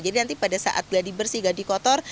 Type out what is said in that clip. jadi nanti pada saat gadi bersih gadi kotor